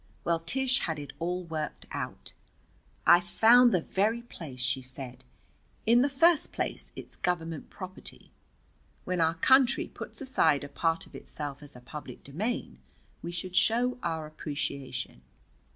Well, Tish had it all worked out. "I've found the very place," she said. "In the first place, it's Government property. When our country puts aside a part of itself as a public domain we should show our appreciation.